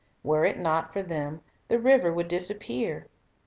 Were it not for them, the river would disappear.